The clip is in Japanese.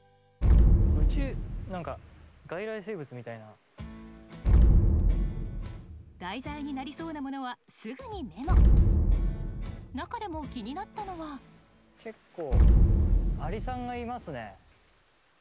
宇宙何か題材になりそうなものはすぐにメモ中でも気になったのは結構アリさんがいますね。